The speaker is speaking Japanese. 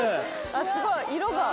あっすごい色が。